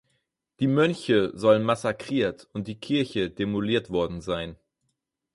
Die Mönche sollen massakriert und die Kirche demoliert worden sein.